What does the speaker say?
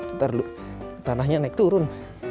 ntar tanahnya naik turun